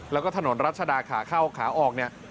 แล้วก็ถนนรัชดาขาเข้าขาออกเนี่ย